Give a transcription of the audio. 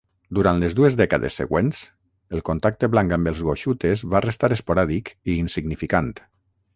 Durant les dues dècades següents, el contacte blanc amb els Goshutes va restar esporàdic i insignificant.